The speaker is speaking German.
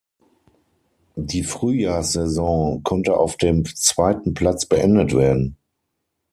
Die Frühjahrssaison konnte auf dem zweiten Platz beendet werden.